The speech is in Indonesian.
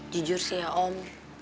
jujur sih ya om